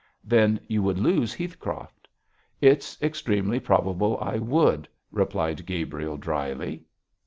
'Then you would lose Heathcroft.' 'It's extremely probable I would,' replied Gabriel, dryly.